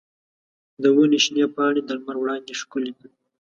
د ونې شنې پاڼې د لمر وړانګې ښکلې کړې.